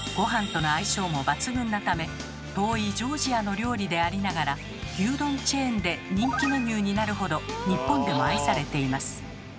遠いジョージアの料理でありながら牛丼チェーンで人気メニューになるほど日本でも愛されています。